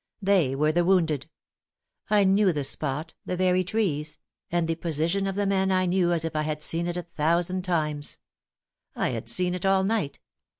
They were the wounded. I knew the spot; the very trees; and the position of the men I knew as if I had seen it a thousand times. I had seen it all night!